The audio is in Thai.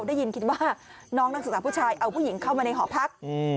ได้ยินคิดว่าน้องนักศึกษาผู้ชายเอาผู้หญิงเข้ามาในหอพัก